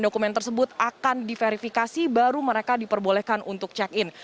dokumen tersebut akan diverifikasi baru mereka diperbolehkan untuk check in